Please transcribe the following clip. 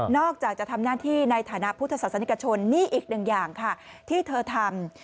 จากจะทำหน้าที่ในฐานะพุทธศาสนิกชนนี่อีกหนึ่งอย่างค่ะที่เธอทำ